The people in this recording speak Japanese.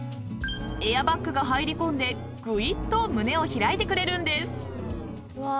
［エアバッグが入りこんでぐいっと胸を開いてくれるんです］